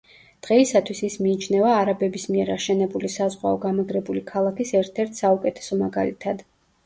დღეისათვის ის მიიჩნევა არაბების მიერ აშენებული საზღვაო გამაგრებული ქალაქის ერთ-ერთ საუკეთესო მაგალითად.